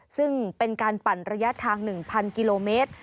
ซึ่งเป็นการปั่นระยะทาง๑๐๐กิโลเมตร